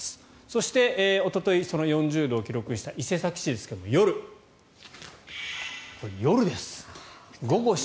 そして、おとといその４０度を記録した伊勢崎市ですが夜、これ夜です。